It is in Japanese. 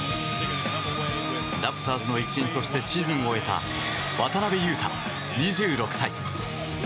ラプターズの一員としてシーズンを終えた渡邊雄大、２６歳。